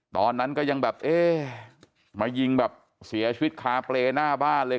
ตอนนั้นก็ยังแบบเอ๊ะมายิงแบบเสียชีวิตคาเปรย์หน้าบ้านเลย